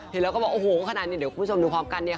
เห็นแล้วก็บอกโอ้โหขนาดนี้เดี๋ยวคุณผู้ชมดูพร้อมกันเนี่ย